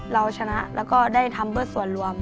เราชนะแล้วก็ได้ทำเพื่อส่วนรวม